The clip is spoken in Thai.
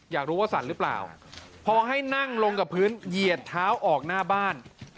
อยากรู้ว่าสันหรือเปล่า